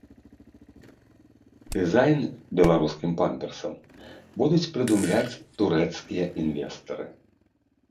Дызайн беларускім памперсам будуць прыдумляць турэцкія інвестары.